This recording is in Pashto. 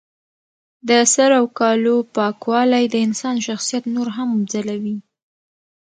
د سر او کالو پاکوالی د انسان شخصیت نور هم ځلوي.